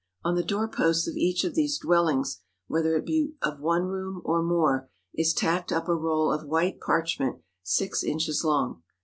On the doorposts of each of these dwellings, whether it be of one room or more, is tacked up a roll of white parchment six inches long.